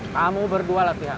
kamu berdua latihan